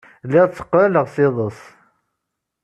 Lliɣ tteqqaleɣ s iḍes.